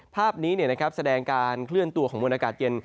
ภาพนี้แสดงการเคลื่อนตัวของมวลอากาศเย็น